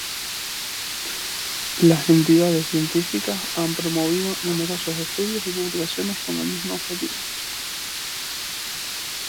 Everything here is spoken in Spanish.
Las entidades científicas han promovido numerosos estudios y publicaciones con el mismo objetivo.